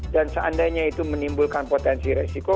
dan seandainya itu menimbulkan potensi resiko